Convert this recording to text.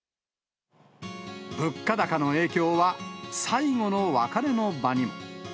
物価高の影響は、最後の別れの場にも。